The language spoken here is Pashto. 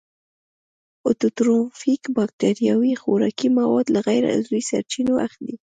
اټوټروفیک باکتریاوې خوراکي مواد له غیر عضوي سرچینو اخلي.